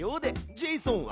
ジェイソンは？